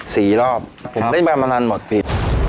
สี่รอบผมได้ประมาณหมดปี